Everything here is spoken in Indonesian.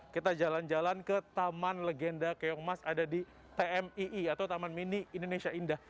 kita jalan jalan ke taman legenda keongmas ada di tmii atau taman mini indonesia indah